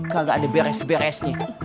gak ada beres beresnya